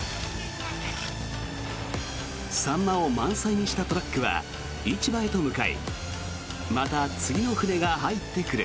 サンマを満載にしたトラックは市場へと向かいまた次の船が入ってくる。